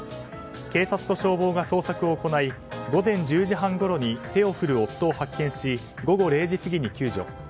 警察と消防が捜索を行い午前１０時半ごろに手を振る夫を発見し午後０時過ぎに救助。